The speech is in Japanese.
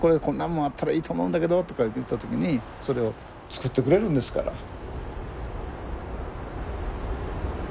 こんなんもあったらいいと思うんだけどとか言った時にそれを作ってくれるんですから。